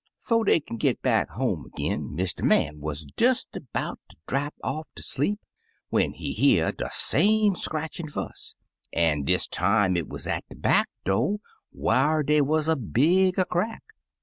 " To* dey kin git back home ag'in, Mr. Man wuz des 'bout ter drap off ter sleep when he hear de same scratchin' fuss, an' dis time it wuz at de back do', whar dey wuz a bigger crack.